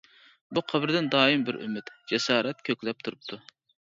بۇ قەبرىدىن دائىم بىر ئۈمىد، جاسارەت كۆكلەپ تۇرۇپتۇ.